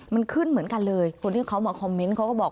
มันขึ้นเหมือนกันเลยคนที่เขามาคอมเมนต์เขาก็บอก